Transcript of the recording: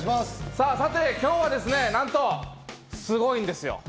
さて今日はですね、何とすごいんですよ。